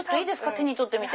手に取ってみて。